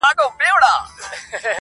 چي په كالو بانـدې زريـــن نه ســـمــه.